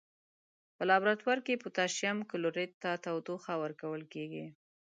په لابراتوار کې پوتاشیم کلوریت ته تودوخه ورکول کیږي.